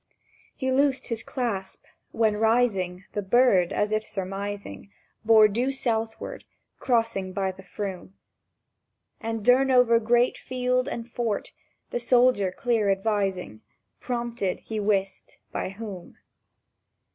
He loosed his clasp; when, rising, The bird—as if surmising— Bore due to southward, crossing by the Froom, And Durnover Great Field and Fort, the soldier clear advising— Prompted he wist by Whom.